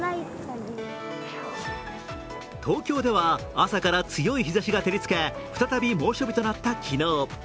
東京では朝から強い日ざしが照りつけ再び猛暑日となった昨日。